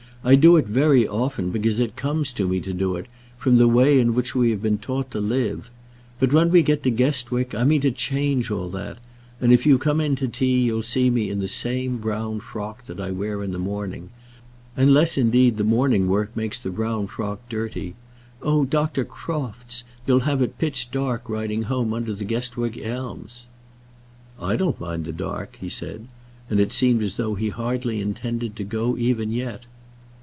I do it very often because it comes to me to do it, from the way in which we have been taught to live. But when we get to Guestwick I mean to change all that; and if you come in to tea, you'll see me in the same brown frock that I wear in the morning, unless, indeed, the morning work makes the brown frock dirty. Oh, Dr. Crofts! you'll have it pitch dark riding home under the Guestwick elms." "I don't mind the dark," he said; and it seemed as though he hardly intended to go even yet.